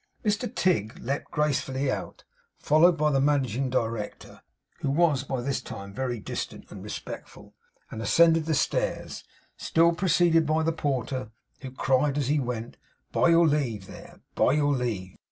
Mr Tigg leaped gracefully out, followed by the Managing Director (who was by this time very distant and respectful), and ascended the stairs, still preceded by the porter, who cried as he went, 'By your leave there! by your leave!